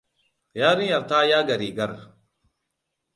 Yarinyar ta yaga rigar.